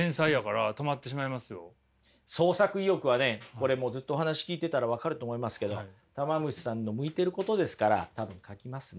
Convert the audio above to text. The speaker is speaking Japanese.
これもうずっとお話聞いてたら分かると思いますけどたま虫さんの向いてることですから多分描きますね。